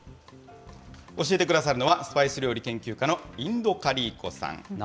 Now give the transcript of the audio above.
教えてくださるのは、スパイス料理研究家の印度カリー子さん。